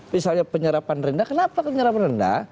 misalnya penyerapan rendah kenapa penyerapan rendah